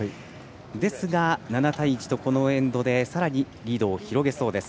ですが、７対１とこのエンドでさらにリードを広げそうです。